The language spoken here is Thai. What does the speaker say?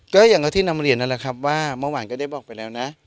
ก็อย่างที่นำเรียนนั่นแหละครับว่าเมื่อวานก็ได้บอกไปแล้วนะ